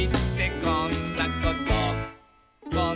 「こんなこと」